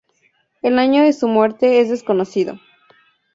El año de su muerte es desconocido.